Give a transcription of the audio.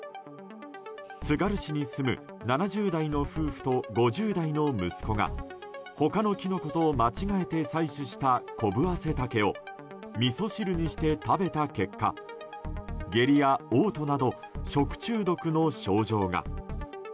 つがる市に住む７０代の夫婦と５０代の息子が他のキノコと間違えて採取したコブアセタケをみそ汁にして食べた結果下痢や嘔吐など食中毒の症状が。